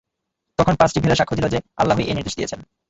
তখন পাঁচটি ভেড়া সাক্ষ্য দিল যে, আল্লাহই এ নির্দেশ দিয়েছেন।